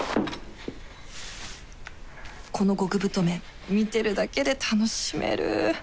この極太麺見てるだけで楽しめる